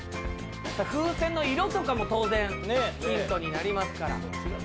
風船の色とかも当然ヒントになりますから。